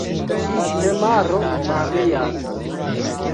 La temaro varias.